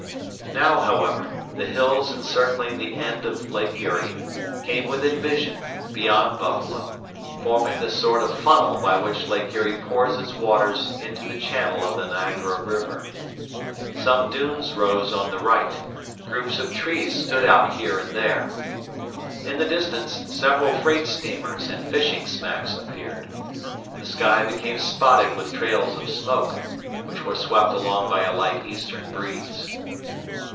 Now, however, the hills encircling the end of Lake Erie, came within vision, beyond Buffalo, forming the sort of funnel by which Lake Erie pours its waters into the channel of the Niagara river. Some dunes rose on the right, groups of trees stood out here and there. In the distance, several freight steamers and fishing smacks appeared. The sky became spotted with trails of smoke, which were swept along by a light eastern breeze.